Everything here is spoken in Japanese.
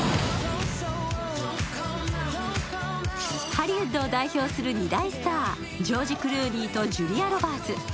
ハリウッドを代表する２大スタージョージ・クルーニーとジュリア・ロバーツ。